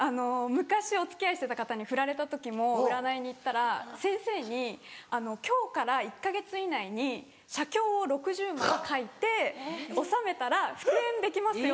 昔お付き合いしてた方にフラれた時も占いに行ったら先生に「今日から１か月以内に写経を６０枚書いて納めたら復縁できますよ」